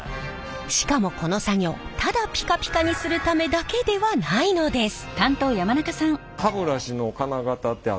しかもこの作業ただピカピカにするためだけではないのです。